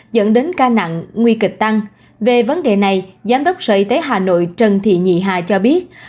dẫn đến ca nặng nguy kịch tăng về vấn đề này giám đốc sở y tế hà nội trần thị nhị hà cho biết